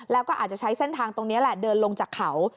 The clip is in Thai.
แล้วก็อาจจะใช้เส้นทางตรงนี้แหละเดินลงจากเขา